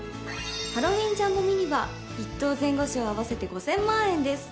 ハロウィンジャンボミニは１等前後賞合わせて５０００万円です。